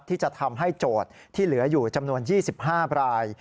ที่จะทำให้โจทย์ที่เหลืออยู่จำนวน๒๕ราย